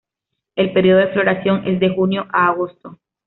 El periodo de floración es de junio a agosto.